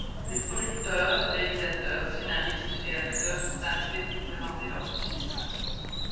Des producteurs, réalisateurs, scénaristes et acteurs sont invités pour présenter leurs films.